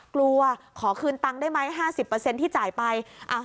ขอคืนตังค์ได้ไหม๕๐ที่จ่ายไป